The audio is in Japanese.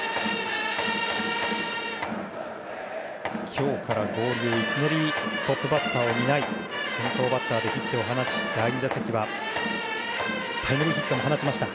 今日から合流いきなりトップバッターを担い先頭バッターでヒットを放ち第２打席はタイムリーヒットも放ちました。